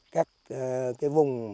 các cái vùng